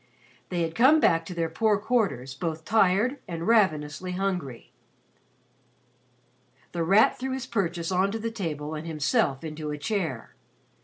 They had come back to their poor quarters both tired and ravenously hungry. The Rat threw his purchase on to the table and himself into a chair.